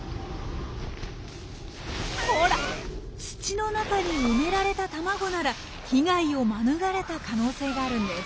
ほら土の中に埋められた卵なら被害を免れた可能性があるんです。